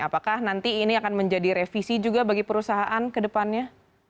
apakah nanti ini akan menjadi revisi juga bagi perusahaan ke depannya